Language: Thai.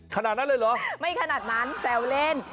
ขนาดนั้นเลยเหรอไม่ขนาดนั้นแซวเล่น